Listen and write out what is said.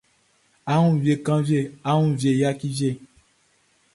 A wun vie kanvie a woun vie yaki vie.